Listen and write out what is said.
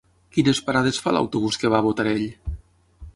Quines parades fa l'autobús que va a Botarell?